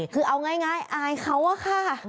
คือเอาง่ายอายเขาอะค่ะ